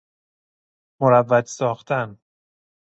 مروج ساختن